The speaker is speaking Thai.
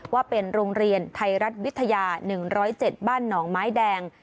ว่าเป็นโรงเรียนไทยรัฐวิทยา๑๐๗บ้านหนองไม้แดง